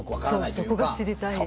そうそこが知りたい。